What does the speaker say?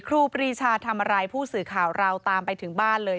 ครูบริชาธรรมรายผู้สื่อข่าวเราตามไปถึงบ้านเลย